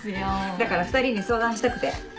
だから２人に相談したくて。